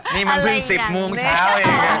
นี่มันเพิ่ง๑๐โมงเช้าเอง